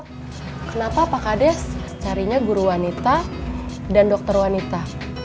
kenapa pak kades carinya guru wanita dan dokter wanita